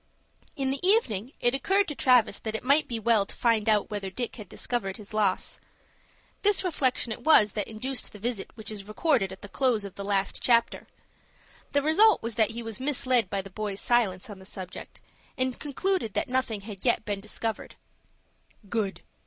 In the evening, it occurred to Travis that it might be well to find out whether Dick had discovered his loss. This reflection it was that induced the visit which is recorded at the close of the last chapter. The result was that he was misled by the boys' silence on the subject, and concluded that nothing had yet been discovered. "Good!"